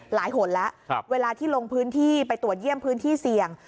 หนแล้วเวลาที่ลงพื้นที่ไปตรวจเยี่ยมพื้นที่เสี่ยง